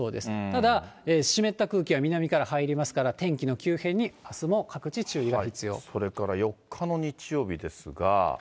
ただ湿った空気が南から入りますから、天気の急変にあすも各地注それから４日の日曜日ですが。